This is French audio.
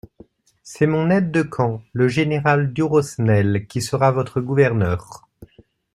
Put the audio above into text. C'est mon aide-de-camp, le général Durosnel, qui sera votre gouverneur.